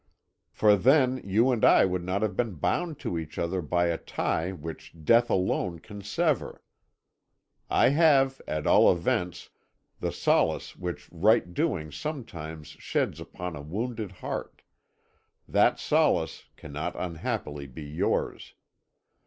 For then you and I would not have been bound to each other by a tie which death alone can sever. I have, at all events, the solace which right doing sometimes sheds upon a wounded heart; that solace cannot unhappily be yours.